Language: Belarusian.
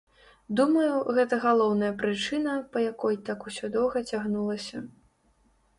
Думаю, гэта галоўная прычына, па якой так усё доўга цягнулася.